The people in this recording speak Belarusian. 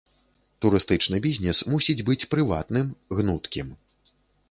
Турыстычны бізнес мусіць быць прыватным, гнуткім.